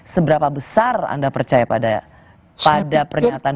seberapa besar anda percaya pada pernyataan